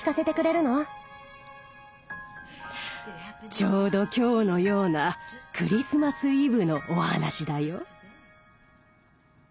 ちょうど今日のようなクリスマス・イブのお話だよ。